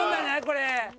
これ。